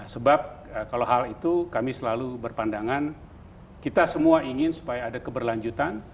sebab kalau hal itu kami selalu berpandangan kita semua ingin supaya ada keberlanjutan